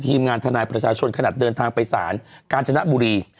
ทีมงานทนายประชาชนขนาดเดินทางไปสารกาญจนบุรี